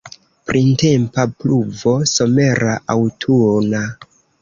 Printempa pluvo, somera, aŭtuna!